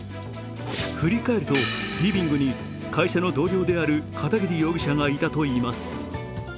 振り返ると、リビングに会社の同僚である片桐容疑者がいたといいます。